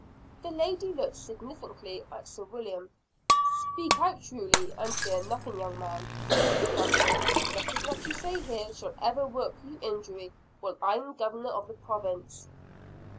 The lady looked significantly at Sir William. "Speak out truly, and fear nothing, young man," said the Governor. "Nothing that you say here shall ever work you injury while I am Governor of the Province."